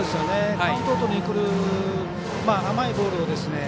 カウントを取りにくる甘いボール